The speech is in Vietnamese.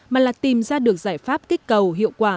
mà là tìm ra được giải pháp kích cầu hiệu quả